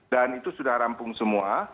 dan itu sudah rampung semua